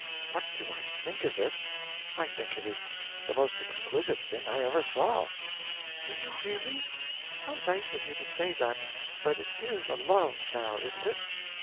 'What do I think of it? I think it is the most exquisite thing I ever saw.' 'Do you really? How nice of you to say that! But it is a love, now isn't it?'